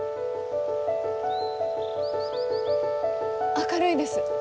明るいです。